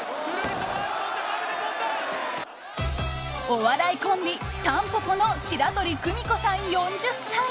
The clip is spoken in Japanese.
お笑いコンビ、たんぽぽの白鳥久美子さん、４０歳。